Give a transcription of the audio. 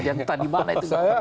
yang tadi mana itu